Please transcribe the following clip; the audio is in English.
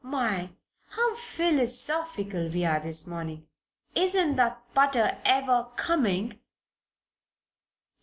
"My! how philosophical we are this morning. Isn't that butter ever coming?"